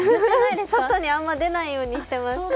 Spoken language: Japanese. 外にあまり出ないようにしていました。